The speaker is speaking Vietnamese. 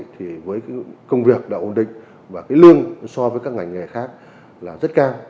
thì với cái công việc đã ổn định và cái lương so với các ngành nghề khác là rất cao